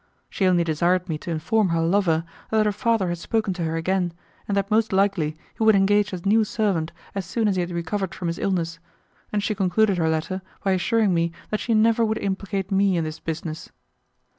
She only desired me to inform her lover that her father had spoken to her again, and that most likely he would engage a new servant as soon as he had recovered from his illness, and she concluded her letter by assuring me that she never would implicate me in this business.